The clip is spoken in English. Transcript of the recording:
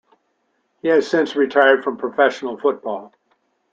He has since retired from professional football.